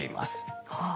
はあ。